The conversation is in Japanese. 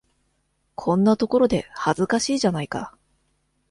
こんなところで、恥ずかしいじゃないか。